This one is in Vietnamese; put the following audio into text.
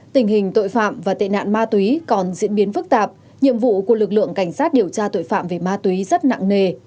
tình hình tội phạm và tệ nạn ma túy còn diễn biến phức tạp nhiệm vụ của lực lượng cảnh sát điều tra tội phạm về ma túy rất nặng nề